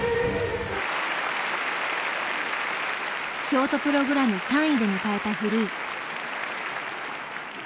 ショートプログラム３位で迎えたフリー。